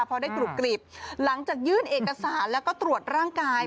พอได้กรุบกรีบหลังจากยื่นเอกสารแล้วก็ตรวจร่างกาย